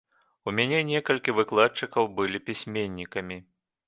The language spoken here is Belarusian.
У мяне некалькі выкладчыкаў былі пісьменнікамі.